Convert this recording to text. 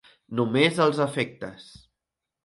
Només als efectes.